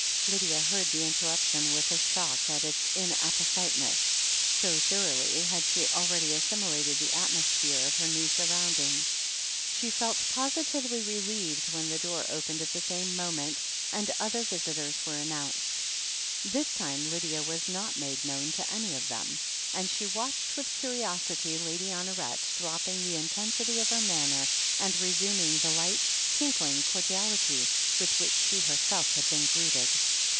Lydia heard the interruption with a shock at its in appositeness, so thoroughly had she already assimi lated the atmosphere of her new surroundings. She felt positively relieved when the door opened at the same moment, and other visitors were annotmced. This time Lydia was not made known to any of them, and she watched with curiosity Lady Honoret dropping the intensity of her manner and resuming the light, tinkling cordiality with which she herself had been greeted.